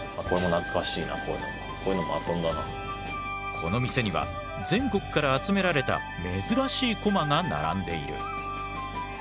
この店には全国から集められた珍しいコマが並んでいる。